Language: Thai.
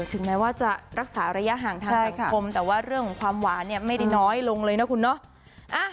ถึงแม้ว่าจะรักษาระยะห่างทางใจคมแต่ว่าเรื่องของความหวานเนี่ยไม่ได้น้อยลงเลยนะคุณเนาะ